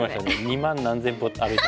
２万何千歩歩いた。